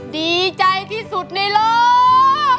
ดีใจที่สุดในโลก